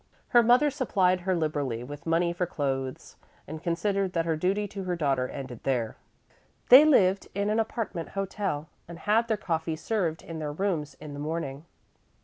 Her mother supplied her liberally with money for clothes and considered that her duty to her daughter ended there. They lived in an apartment hotel and had their coffee served in their rooms in the morning.